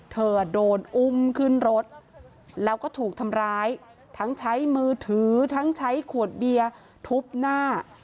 เธอโดนอุ้มขึ้นรถแล้วก็ถูกทำร้ายทั้งใช้มือถือทั้งใช้ขวดเบียร์ทุบหน้า